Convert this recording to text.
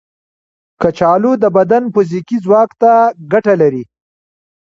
کچالو د بدن فزیکي ځواک ته ګټه لري.